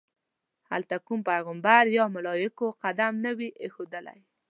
هلته کوم پیغمبر یا ملایکو قدم نه وي ایښودلی.